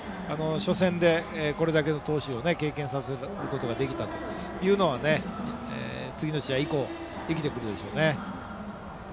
初戦でこれだけの投手を経験させることができたのは次の試合以降生きてくるでしょうね。